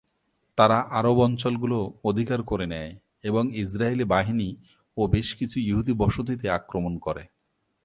তারা আরব অঞ্চলগুলো অধিকার করে নেয় এবং ইসরায়েলি বাহিনী ও বেশ কিছু ইহুদি বসতিতে আক্রমণ করে।